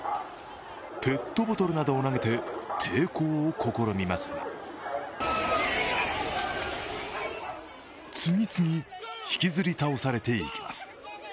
ペットボトルなどを投げて抵抗を試みますが次々、引きずり倒されていきます。